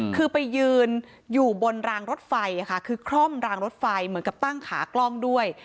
คือไปยืนอยู่บนรางรถไฟค่ะคือคล่อมรางรถไฟเหมือนกับตั้งขากล้องด้วย